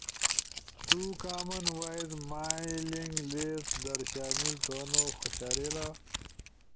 تو کامن وائس مائلنگ لیسٹ در شامل تھونو خوشارئیلا؟